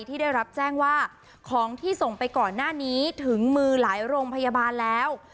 ที่ได้รับแจ้งว่าของที่ส่งไปก่อนหน้านี้ถึงมือหลายโรงพยาบาลแล้ว